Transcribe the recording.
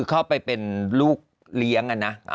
เข้าไปเป็นลูกเลี้ยงนะ